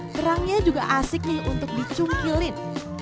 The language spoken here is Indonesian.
kerangnya juga asik nih untuk dicungkilin